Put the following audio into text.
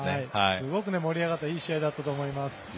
すごく盛り上がったいい試合だったと思います。